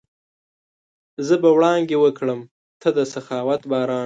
زه به وړانګې وکرم، ته د سخاوت باران